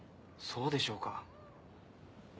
そうでしょうか。